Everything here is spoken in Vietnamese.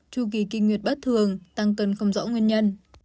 chu kỳ kinh nguyệt bất thường tăng cân không rõ nguyên nhân